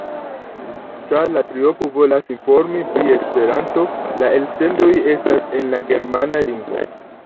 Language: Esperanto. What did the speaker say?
Ĉar la triopo volas informi pri Esperanto, la elsendoj estas en la germana lingvo.